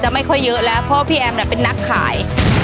จะไม่ค่อยเยอะแล้วเพราะว่าพี่แอมเนี้ยเป็นนักขาย